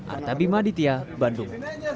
artabi maditya bandung